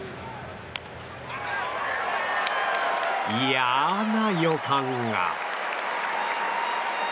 嫌な予感が。